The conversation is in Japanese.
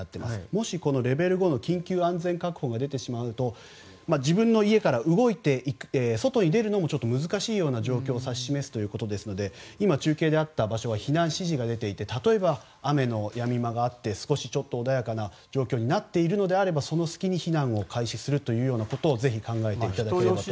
もし、レベル５の緊急安全確保が出てしまうと自分の家から動いて外に出るのもちょっと難しい状況を指し示すということなので中継であった場所は避難指示が出ていて例えば、雨のやみ間があって少し穏やかな状況になっていればその隙に避難を開始するということをぜひ考えていただきたいです。